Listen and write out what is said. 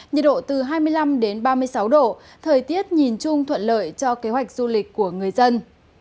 nhiệt độ từ hai mươi năm ba mươi sáu độ thời tiết nhìn chung thuận lợi cho kế hoạch du lịch của người dân